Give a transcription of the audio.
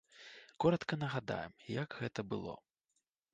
Коратка нагадаем, як гэта было.